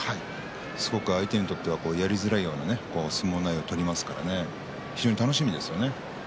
すごく相手にとってはやりづらいような相撲内容で取りますから非常に楽しみですよね。